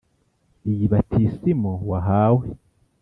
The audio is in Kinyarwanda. iyi batisimu wahawe